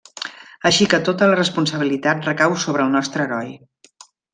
Així que tota la responsabilitat recau sobre el nostre heroi.